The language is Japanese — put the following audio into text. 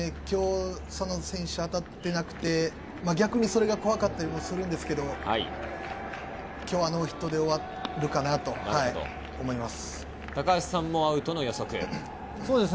今日、佐野選手は当たっていなくて、逆にそれが怖かったりもするんですけど、今日はノーヒットで終わるかなと思います。